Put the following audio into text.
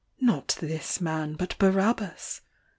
... Not this Man but Barabbas!